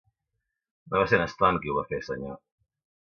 No va ser en Stone qui ho va fer, senyor.